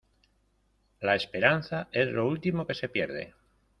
La esperanza es lo último que se pierde.